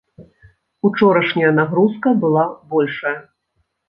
Учорашняя нагрузка была большая.